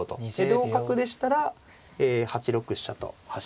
同角でしたら８六飛車と走って。